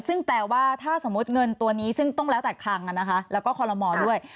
ซึ่งแปลว่าถ้าสมมุติเงินตัวนี้ซึ่งต้องแล้วแต่คลังแล้วก็คอลโลมอลด้วย